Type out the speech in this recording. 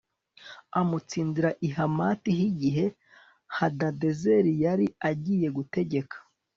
amutsindira i Hamati h igihe Hadadezeri yari agiye gutegeka